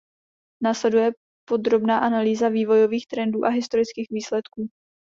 Následuje podrobná analýza vývojových trendů a historických výsledků.